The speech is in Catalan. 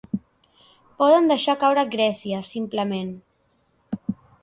Poden deixar caure Grècia, simplement.